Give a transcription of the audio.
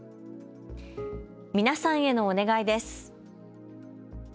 皆さんへのお願いです。